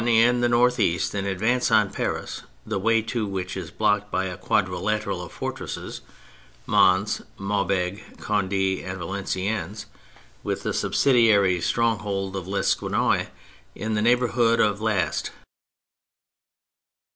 In the north east an advance on Paris, the way to which is blocked by a quadrilateral of fortresses: Mons, Maubeuge, Conde, and Valenciennes, with the subsidiary stronghold of Lequesnoy in the neighbourhood of the last.